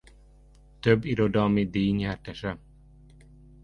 Több irodalmi díj nyertese.